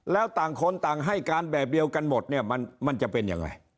แล้วต่างคนต่างให้การแบบเดียวกันหมดเนี่ยมันจะเป็นยังไง